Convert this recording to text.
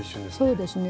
そうですね。